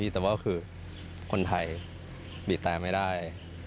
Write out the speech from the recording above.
แต่ว่าคือคนไทยบีบแต่ไม่ได้